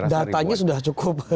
datanya sudah cukup fantastis